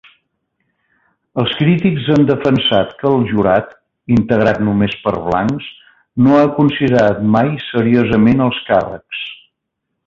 Els crítics han defensat que el jurat, integrat només per blancs, no ha considerat mai seriosament els càrrecs.